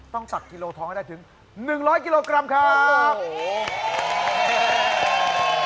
ต้องตักกิโลทองให้ได้ถึง๑๐๐กิโลกรัมครับ